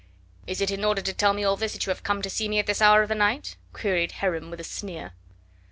"Is it in order to tell me all this that you have come to see me at this hour of the night?" queried Heron with a sneer.